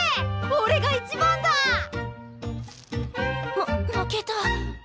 ま負けた。